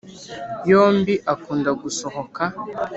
yombi akunda gusohoka.